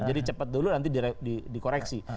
jadi cepat dulu nanti dikoreksi